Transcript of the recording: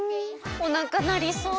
おなかなりそう！